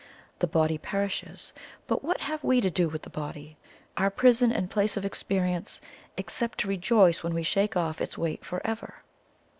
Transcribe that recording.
The body perishes but what have WE to do with the body our prison and place of experience, except to rejoice when we shake off its weight for ever!"